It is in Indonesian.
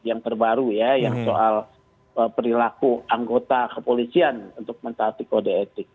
itu ya yang soal perilaku anggota kepolisian untuk mencari kode etik